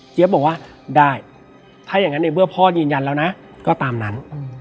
บอกว่าได้ถ้าอย่างนั้นในเมื่อพ่อยืนยันแล้วนะก็ตามนั้น